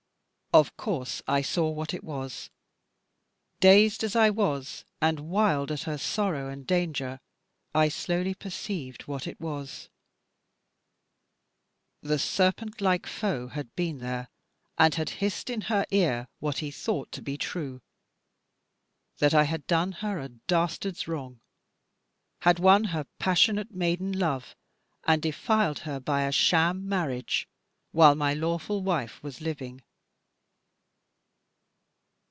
Of course I saw what it was; dazed as I was and wild at her sorrow and danger, I slowly perceived what it was. The serpent like foe had been there, and had hissed in her ear what he thought to be true that I had done her a dastard's wrong; had won her passionate maiden love, and defiled her by a sham marriage, while my lawful wife was living.